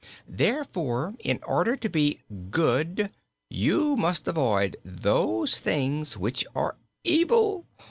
'Therefore, in order to be Good, you must avoid those Things which are Evil.'